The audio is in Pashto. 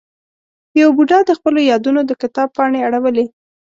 یوه بوډا د خپلو یادونو د کتاب پاڼې اړولې.